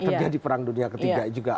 terjadi perang dunia ketiga juga